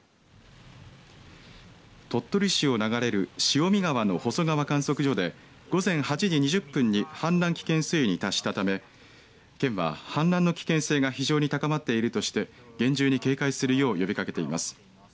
鳥取市を流れる塩見川の細川観測所で午前８時２０分に氾濫危険水位に達したため県は氾濫の危険性が非常に高まっているとして厳重に警戒するよう呼びかけています。